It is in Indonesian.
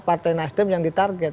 ini adalah hal yang di target